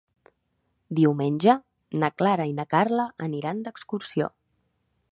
Diumenge na Clara i na Carla aniran d'excursió.